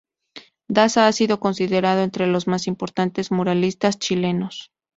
Daza ha sido considerado entre los más importantes muralistas chilenos.